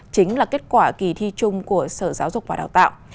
chính là kết quả kỳ thi chung của sở giáo dục và đào tạo